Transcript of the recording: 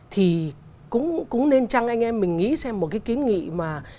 thì cũng nên chăng anh em mình nghĩ xem một cái kiến nghị mà